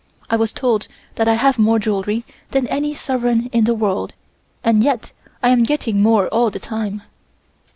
I was told that I have more jewelry than any sovereign in the world and yet I am getting more all the time."